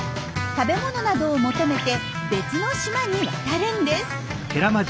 食べ物などを求めて別の島に渡るんです。